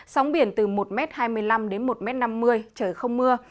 sóng biển từ một m hai mươi năm đến một năm mươi trời không mưa